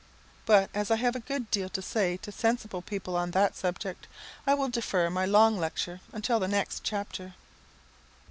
But as I have a good deal to say to sensible people on that subject, I will defer my long lecture until the next chapter.